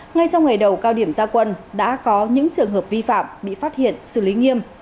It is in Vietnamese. ngay trong ngày đầu cao điểm gia quân đã có những trường hợp vi phạm bị phát hiện xử lý nghiêm